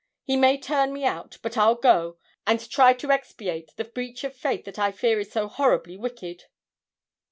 He may turn me out, but I'll go, and try to expiate the breach of faith that I fear is so horribly wicked.'